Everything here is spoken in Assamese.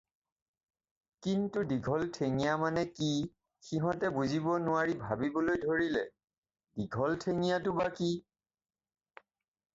কিন্তু দীঘল ঠেঙীয়া মানে কি সিহঁতে বুজিব নোৱাৰি ভাবিবলৈ ধৰিলে- "দীঘল ঠেঙীয়াটো বা কি?"